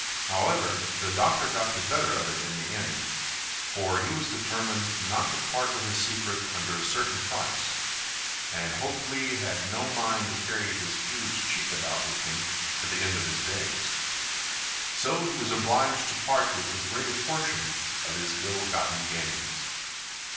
However, the doctor got the better of it in the end, for he was determined not to part with his secret under a certain price, and Hok Lee had no mind to carry his huge cheek about with him to the end of his days. So he was obliged to part with the greater portion of his ill gotten gains.